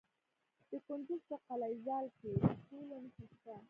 د کندز په قلعه ذال کې د تیلو نښې شته.